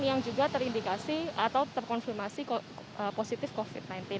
yang juga terindikasi atau terkonfirmasi positif covid sembilan belas